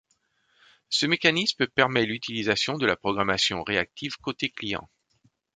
Ce mécanisme permet l'utilisation de la programmation réactive côté client.